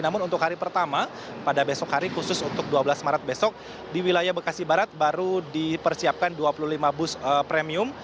namun untuk hari pertama pada besok hari khusus untuk dua belas maret besok di wilayah bekasi barat baru dipersiapkan dua puluh lima bus premium